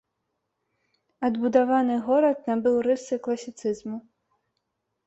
Адбудаваны горад набыў рысы класіцызму.